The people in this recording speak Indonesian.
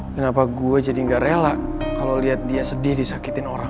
kenapa gue jadi gak rela kalau lihat dia sedih disakitin orang